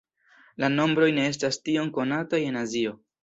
La nombroj ne estas tiom konataj en Azio.